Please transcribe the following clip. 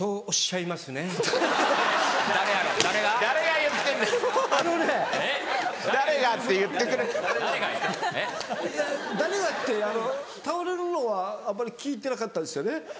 いや誰がってあの倒れるのはあまり聞いてなかったですよね。